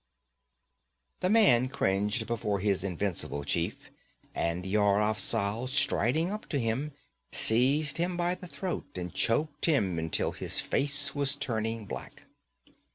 The man cringed before his invincible chief, and Yar Afzal, striding up to him, seized him by the throat and choked him until his face was turning black.